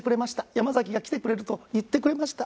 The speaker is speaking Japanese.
山崎が来てくれると言ってくれました。